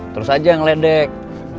terus aja yang ledek